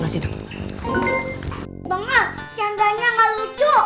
bangal jandanya gak lucu